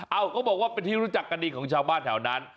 เขาบอกว่าเป็นที่รู้จักกันดีของชาวบ้านแถวนั้น